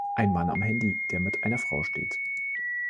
Ein Mann am Handy, der mit einer Frau steht.